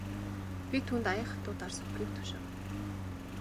Би түүнд аяга хатуу дарс өгөхийг тушаав.